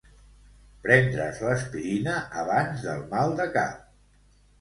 Prendre's l'aspirina abans del mal de cap.